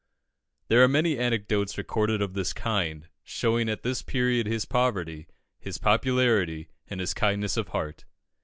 There are many anecdotes recorded of this kind, showing at this period his poverty, his popularity, and his kindness of heart.